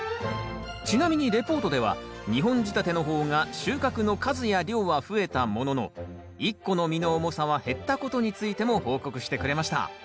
ちなみにレポートでは２本仕立ての方が収穫の数や量は増えたものの１個の実の重さは減ったことについても報告してくれました。